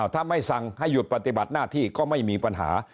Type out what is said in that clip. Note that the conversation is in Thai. ถ้าไม่สั่งให้หยุดปฏิบัติหน้าที่ก็ไม่มีปัญหา